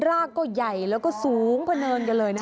รากก็ใหญ่แล้วก็สูงเผินกันเลยนะ